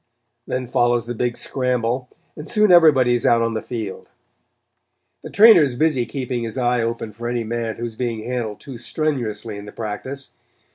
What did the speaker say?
Then follows the big scramble and soon everybody is out on the field. The Trainer is busy keeping his eye open for any man who is being handled too strenuously in the practice.